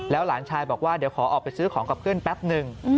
หลานชายบอกว่าเดี๋ยวขอออกไปซื้อของกับเพื่อนแป๊บหนึ่ง